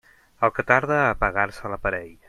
El que tarda a apagar-se l'aparell.